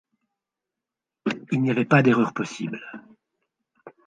Il n’y avait pas d’erreur possible.